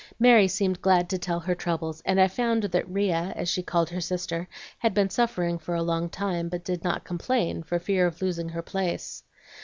Mary seemed glad to tell her troubles, and I found that 'Ria,' as she called her sister, had been suffering for a long time, but did not complain for fear of losing her place.